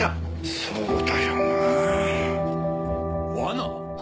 そうだよな。罠？